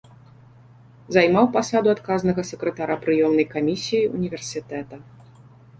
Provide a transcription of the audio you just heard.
Займаў пасаду адказнага сакратара прыёмнай камісіі ўніверсітэта.